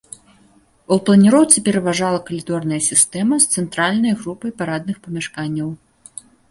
У планіроўцы пераважала калідорная сістэма з цэнтральнай групай парадных памяшканняў.